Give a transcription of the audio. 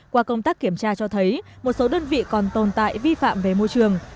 qua công tác kiểm tra cho thấy một số đơn vị còn tồn tại vi phạm về môi trường